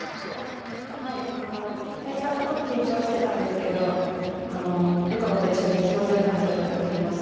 最初はすごく緊張してたんですけど、友香子と一緒に気持ちよく走ることができました。